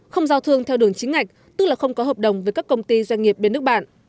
không giao thương theo đường chính ngạch tức là không có hợp đồng với các công ty doanh nghiệp bên nước bạn